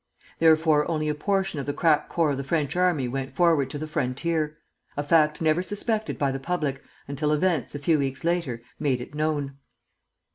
Therefore only a portion of the crack corps of the French army went forward to the frontier, a fact never suspected by the public until events, a few weeks later, made it known.